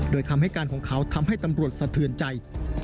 โดยคำให้การของเขาทำให้ตำรวจสะเทือนใจ